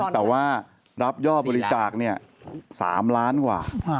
แต่ว่ารับยอดบริจาค๓ล้านกว่า